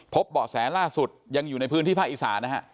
เบาะแสล่าสุดยังอยู่ในพื้นที่ภาคอีสานนะฮะ